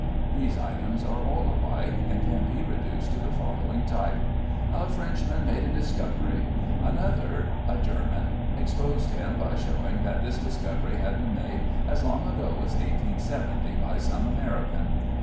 These items are all alike and can be reduced to the following type: A Frenchman made a discovery. Another a German exposed him by showing that this discovery had been made as long ago as 1870 by some American.